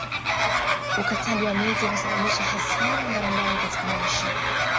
Ukataji wa miti husababisha hasara mbalimbali katika maisha